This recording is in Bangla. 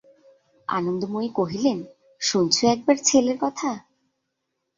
আনন্দময়ী কহিলেন, শুনছ একবার ছেলের কথা!